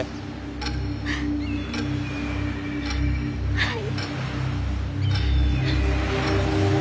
はい。